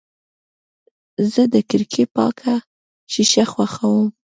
زه د کړکۍ پاکه شیشه خوښوم.